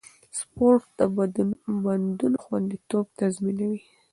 سپورت د بندونو خونديتوب تضمینوي.